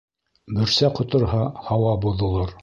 Бөрсә ҡоторһа, һауа боҙолор.